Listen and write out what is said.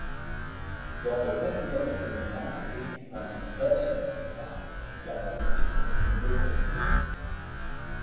Dans le personnel d'enseignement, l'écrivain Daniel Mativat y a enseigné pendant de nombreuses années.